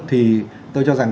thì tôi cho rằng